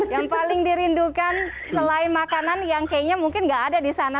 yang paling dirindukan selain makanan yang kayaknya mungkin nggak ada di sana